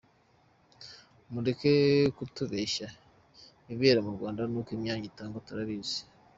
Mureke kutubeshya, ibibera mu Rwanda n'uko imyanya itangwa turabizi.